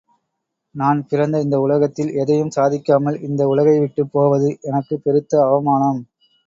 நான் பிறந்த இந்த உலகில் எதையும் சாதிக்காமல் இந்த உலகை விட்டுப் போவது என்க்குப் பெருத்த அவமானம்!